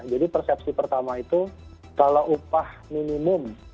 jadi persepsi pertama itu kalau upah minimum